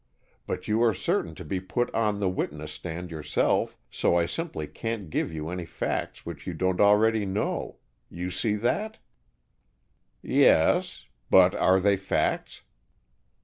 But you are certain to be put on the witness stand yourself, so I simply can't give you any facts which you don't already know. You see that?" "Yes, but are they facts?"